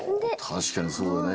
たしかにそうだね。